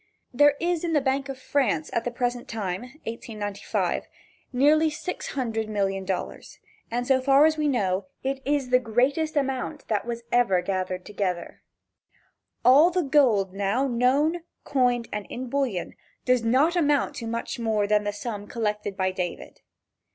There is in the bank of France at the present time (1895) nearly six hundred million dollars, and so far as we know, it is the greatest amount that was ever gathered together. All the gold now known, coined and in bullion, does not amount to much more than the sum collected by David.